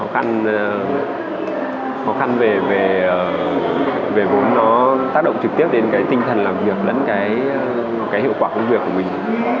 khó khăn khó khăn về vốn nó tác động trực tiếp đến cái tinh thần làm việc lẫn cái hiệu quả công việc của mình